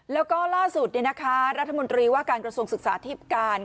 แล้วก็ล่าสุดรัฐมนตรีว่าการกระทรวงศึกษาที่การ